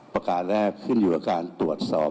ประกาศแรกขึ้นอยู่กับการตรวจสอบ